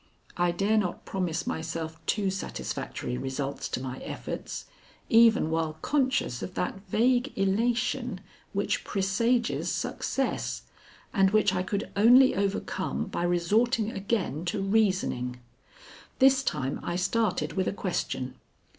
I dare not promise myself too satisfactory results to my efforts, even while conscious of that vague elation which presages success, and which I could only overcome by resorting again to reasoning. This time I started with a question.